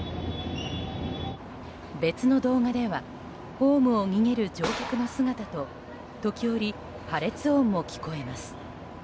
別の動画ではホームを逃げる乗客の姿と時折、破裂音も聞こえます。